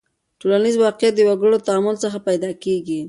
ټولنیز واقعیت د وګړو له تعامل څخه پیدا کیږي.